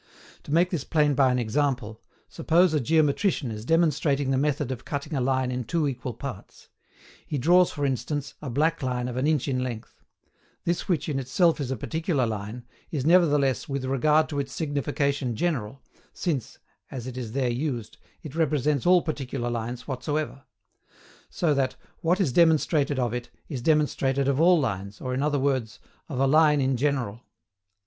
To make this plain by an example, suppose a geometrician is demonstrating the method of cutting a line in two equal parts. He draws, for instance, a black line of an inch in length: this, which in itself is a particular line, is nevertheless with regard to its signification general, since, as it is there used, it represents all particular lines whatsoever; so that what is demonstrated of it is demonstrated of all lines, or, in other words, of a line in general.